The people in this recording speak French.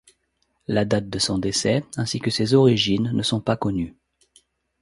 La date de son décès ainsi que ses origines ne sont pas connues.